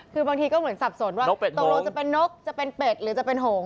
คือบางทีก็เหมือนสับสนว่าตกลงจะเป็นนกจะเป็นเป็ดหรือจะเป็นโหง